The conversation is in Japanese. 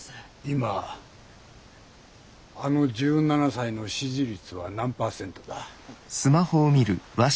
今あの１７才の支持率は何％だ？